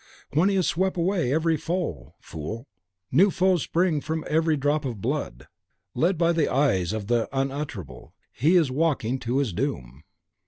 When he has swept away every foe. Fool! new foes spring from every drop of blood. Led by the eyes of the Unutterable, he is walking to his doom.